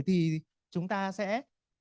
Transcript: thì chúng ta sẽ